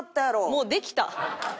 もうできた。